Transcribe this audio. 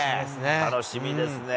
楽しみですね。